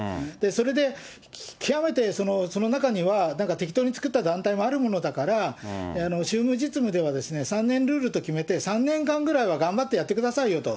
それで極めてその中には、なんか適当に作った団体もあるものだから、宗務実務では、３年ルールと決めて、３年間ぐらいは頑張ってやってくださいよと。